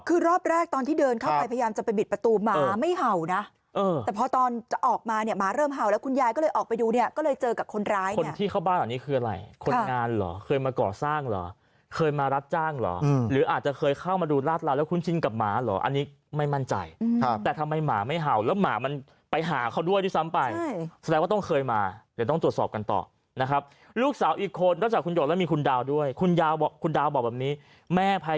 คือรอบแรกตอนที่เดินเข้าไปพยายามจะไปบิดประตูหมาไม่เห่านะแต่พอตอนจะออกมาเนี่ยหมาเริ่มเห่าแล้วคุณยายก็เลยออกไปดูเนี่ยก็เลยเจอกับคนร้ายเนี่ยคนที่เข้าบ้านอันนี้คืออะไรคนงานหรอเคยมาก่อสร้างหรอเคยมารับจ้างหรอหรืออาจจะเคยเข้ามาดูราดราวแล้วคุ้นชินกับหมาหรออันนี้ไม่มั่นใจแต่ทำไมหมาไม่เห่าแล้วหมามันไปหา